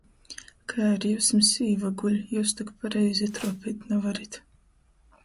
Kai ar jiusim sīva guļ, jius tok pareizi truopeit navarit!